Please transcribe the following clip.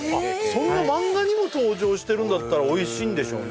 そんな漫画にも登場してるんだったらおいしいんでしょうね